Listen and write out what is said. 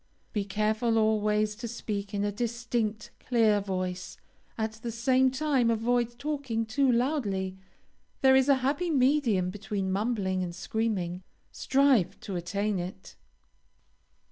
Be careful always to speak in a distinct, clear voice; at the same time avoid talking too loudly, there is a happy medium between mumbling and screaming. Strive to attain it.